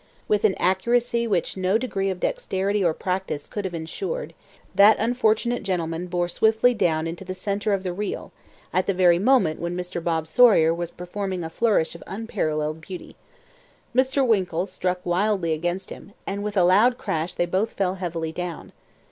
With an accuracy which no degree of dexterity or practice could have insured, that unfortunate gentleman bore swiftly down into the centre of the reel, at the very moment when Mr. Bob Sawyer was performing a flourish of unparalleled beauty. Mr. Winkle struck wildly against him, and with a loud crash they both fell heavily down.